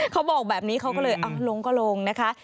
เขาบอกแบบนี้เขาก็เลยลงก็ลงนะคะ